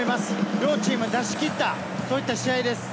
両チーム出し切った、そういった試合です。